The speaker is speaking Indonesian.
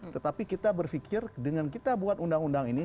tetapi kita berpikir dengan kita buat undang undang ini